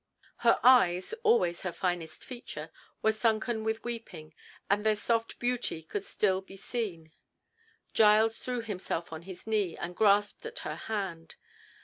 Her eyes, always her finest feature, were sunken with weeping, but their soft beauty could still be seen. Giles threw himself on his knee and grasped at her hand.